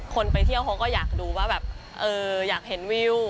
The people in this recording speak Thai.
ไปเที่ยวเขาก็อยากดูว่าแบบอยากเห็นวิว